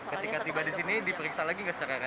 ketika tiba di sini diperiksa lagi nggak secara rendah